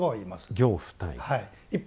はい。